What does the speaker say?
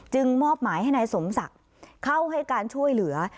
มอบหมายให้นายสมศักดิ์เข้าให้การช่วยเหลือ